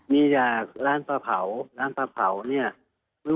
นี้จะร้านปลาเผาร้านปลาเผานี่